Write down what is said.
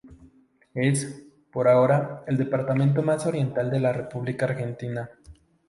Es, por ahora, el departamento más oriental de la República Argentina.